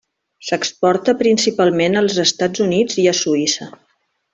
S'exporta principalment als Estats Units i a Suïssa.